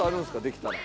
できたら。